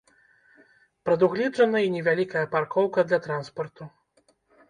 Прадугледжана і невялікая паркоўка для транспарту.